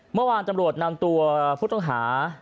เมื่อวานตำรวจนำตัวผู้ต้องหา